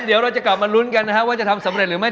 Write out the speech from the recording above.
เดี๋ยวเราจะกลับมาลุ้นกันนะครับว่าจะทำสำเร็จหรือไม่